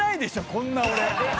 こんな俺。